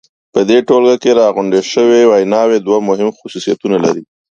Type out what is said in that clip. په دې ټولګه کې راغونډې شوې ویناوی دوه مهم خصوصیتونه لري.